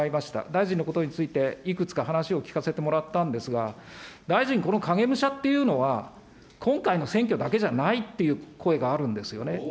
大臣のことについて、いくつか話を聞かせてもらったんですが、大臣この影武者っていうのは、今回の選挙だけじゃないっていう声があるんですよね。